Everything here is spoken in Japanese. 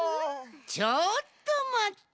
ちょっとまった！